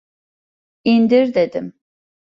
İndir dedim!